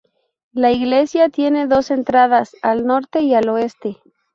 La iglesia tiene dos entradas, al norte y al oeste.